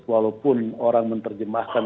walaupun orang menerjemahkan